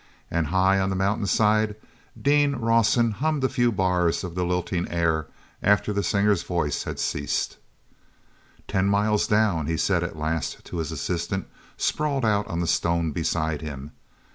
And, high on the mountainside, Dean Rawson hummed a few bars of the lilting air after the singer's voice had ceased. "Ten miles down!" he said at last to his assistant, sprawled out on the stone beside him.